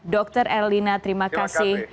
dr erlina terima kasih